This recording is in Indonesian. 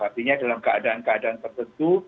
artinya dalam keadaan keadaan tertentu